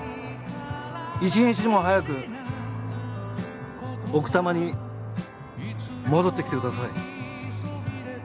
１日でも早く奥多摩に戻ってきてください。